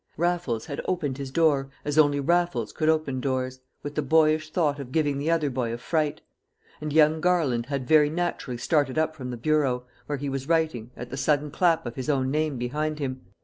Raffles had opened his door as only Raffles could open doors, with the boyish thought of giving the other boy a fright; and young Garland had very naturally started up from the bureau, where he was writing, at the sudden clap of his own name behind him.